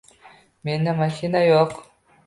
Menda mashina yo'q...